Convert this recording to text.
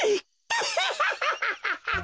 アハハハハハハ！